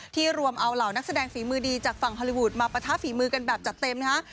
รวมเอาเหล่านักแสดงฝีมือดีจากฝั่งฮอลลีวูดมาปะทะฝีมือกันแบบจัดเต็มนะฮะ